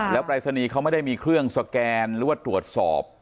แล้วปรายศนีย์เขาไม่ได้มีเครื่องสแกนหรือว่าตรวจสอบ